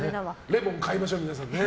レモン買いましょう、皆さんね。